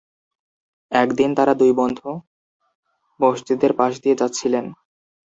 একদিন তারা দুই বন্ধু মসজিদের পাশ দিয়ে যাচ্ছিলেন।